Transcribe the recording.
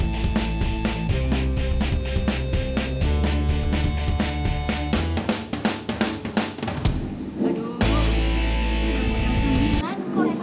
nah itu dia mereka